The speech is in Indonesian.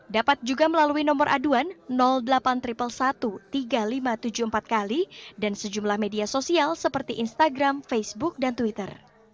dapat juga melalui nomor aduan delapan satu tiga ribu lima ratus tujuh puluh empat kali dan sejumlah media sosial seperti instagram facebook dan twitter